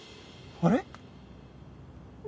あれ？